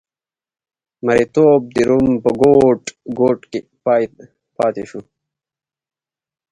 مریتوب د روم په ګوټ ګوټ کې پاتې شو.